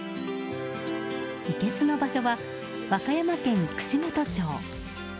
いけすの場所は和歌山県串本町。